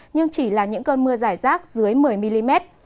nhưng chỉ là những cơn mưa giải rác dưới một mươi mm